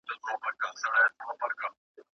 ¬ لويان ئې پر کور کوي، کوچنيان ئې پر بېبان.